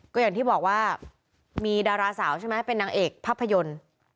ก็อย่างที่บอกว่ามีดาราสาวใช่ไหมเป็นนางเอกภาพยนตร์